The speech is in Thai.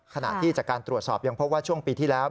ขณะที่จากการตรวจสอบยังพบว่าช่วงปีที่แล้ว